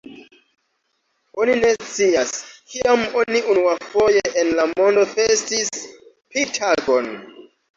Oni ne scias, kiam oni unuafoje en la mondo festis Pi-tagon.